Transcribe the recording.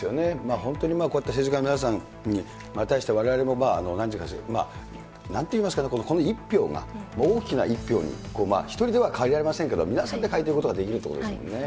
本当にこうやって政治家の皆さんに対してわれわれも、なんて言いますかね、この１票が大きな１票に、１人では変えられませんけれども、皆さんで変えていくことができるということですもんね。